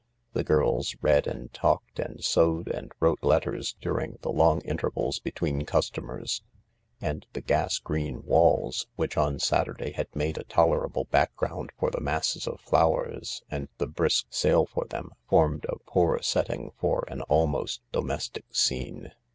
The girls read and talked and sewed and wrote letters during the long intervals between customers. An<J the g^s green w#lls, which on Saturday had made a tolerable background for the masses of "flowers and the brisk THE LARK 97 sale for them, formed a poor setting for an almost domestic scene.